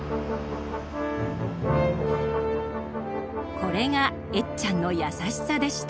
これがエッちゃんの優しさでした。